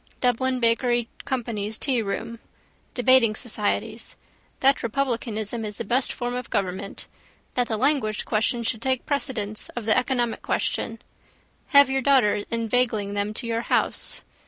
Dublin Bakery Company's tearoom. Debating societies. That republicanism is the best form of government. That the language question should take precedence of the economic question. Have your daughters inveigling them to your house.